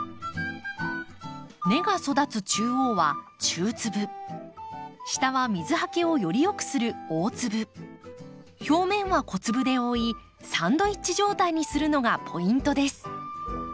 根が育つ中央は中粒下は水はけをよりよくする大粒表面は小粒で覆いサンドイッチ状態にするのがポイントです。